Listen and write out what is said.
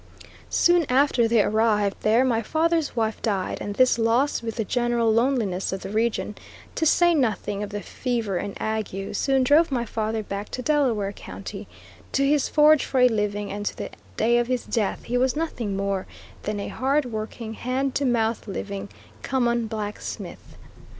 Soon after they arrived there my father's wife died, and this loss, with the general loneliness of the region, to say nothing of the fever and ague, soon drove my father back to Delaware County to his forge for a living, and to the day of his death he was nothing more than a hard working, hand to mouth living, common blacksmith.